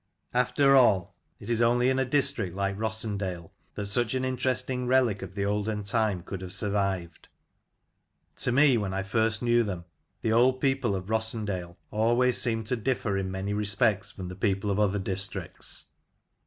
After all, it is only in a district like Rossendale that such an interesting relic of the olden time could have survived To me, when I first knew them, the old people of Rossendale always seemed to differ in many respects from the people of other districts.